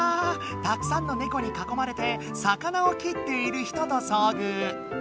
たくさんのネコにかこまれて魚を切っている人とそうぐう！